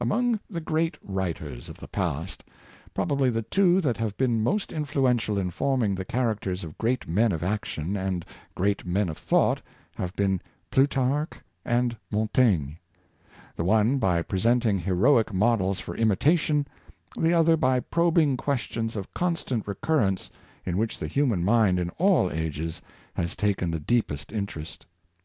Among the great writers of the past, probably the two that have been most influential in forming the char acters of great men of action and great men of thought have been Plutarch and Montaigne — the one by pre senting heroic models for imitation, the other by probing questions of constant recurrence in which the human mind in all ages has taken the deepest interest.